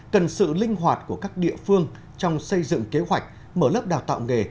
cần sự linh hoạt của các địa phương trong xây dựng kế hoạch mở lớp đào tạo nghề